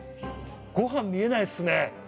ご飯見えないっすね。